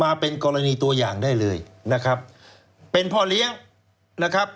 มาเป็นกรณีตัวอย่างได้เลยนะครับเป็นพ่อเลี้ยงนะครับ